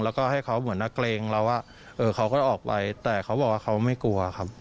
แล้วก็ให้เขาเหมือนนักเกรงเราว่าเขาก็ออกไปแต่เขาบอกว่าเขาไม่กลัวครับ